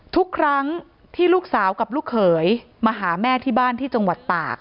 ทุกครั้งที่ลูกสาวกับลูกเขยมาหาแม่ที่บ้านที่จังหวัดตาก